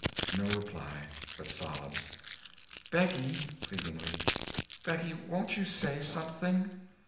No reply—but sobs. "Becky"—pleadingly. "Becky, won't you say something?"